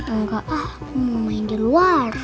engga aku mau main di luar